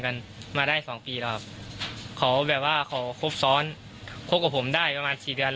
คบกับผมได้ประมาณ๔เดือนแล้ว